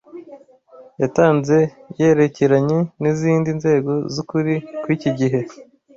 yatanze yerekeranye n’izindi nzego z’ukuri kw’iki gihe,